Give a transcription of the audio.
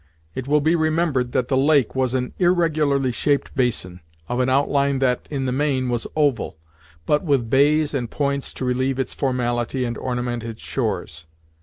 It will be remembered that the lake was an irregularly shaped basin, of an outline that, in the main, was oval, but with bays and points to relieve its formality and ornament its shores.